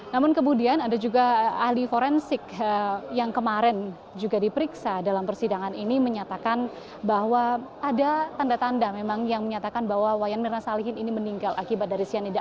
namun kemudian ada juga ahli forensik yang kemarin juga diperiksa dalam persidangan ini menyatakan bahwa ada tanda tanda memang yang menyatakan bahwa wayan mirna salihin ini meninggal akibat dari cyanida